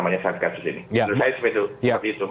menurut saya seperti itu